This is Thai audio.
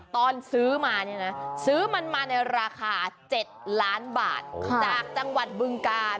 ตอนซื้อมาเนี่ยนะซื้อมันมาในราคา๗ล้านบาทจากจังหวัดบึงกาล